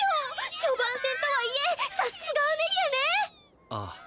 序盤戦とはいえさすがアメリアねああ